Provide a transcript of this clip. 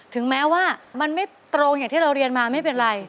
ถึงแม้ว่ามันไม่ตรงอย่างที่เราเรียนมาไม่เป็นไร